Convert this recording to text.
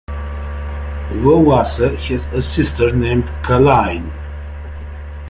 Lowassa has a sister named Kalaine.